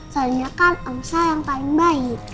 soalnya kan angsa yang paling baik